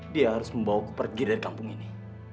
dia harus membawa pergi dari kampung ini